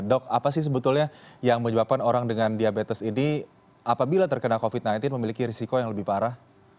dok apa sih sebetulnya yang menyebabkan orang dengan diabetes ini apabila terkena covid sembilan belas memiliki risiko yang lebih parah